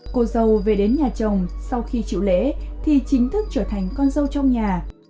cô dâu về đến nhà chồng sau khi chịu lễ thì chính thức trở thành con dâu trong nhà